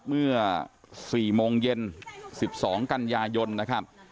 เมื่อ๔โมงเย็น๑๒กันยายนนะครับ